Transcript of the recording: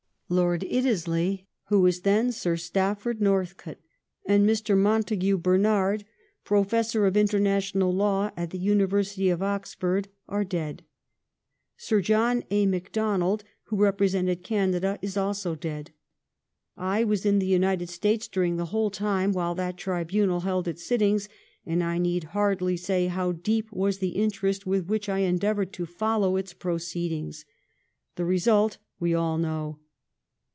Lord Iddesleigh, who was then Sir Stafford Northcote, and Mr. Mountague Bernard, Professor of International Law at the University of Oxford, are dead. Sir John A. Macdonald, who repre sented Canada, is also dead. I was in the United States during the whole time while that tribunal held its sittings, and I need hardly say how deep was the interest with which I endeavored to fol low its proceedings. The result we all know.